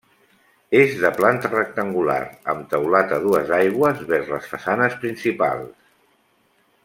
És de planta rectangular, amb teulat a dues aigües vers les façanes principals.